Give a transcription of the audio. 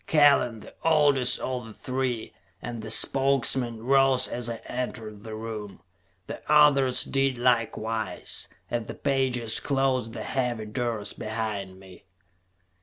Kellen, the oldest of the three, and the spokesman, rose as I entered the room. The others did likewise, as the pages closed the heavy doors behind me.